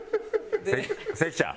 関ちゃん。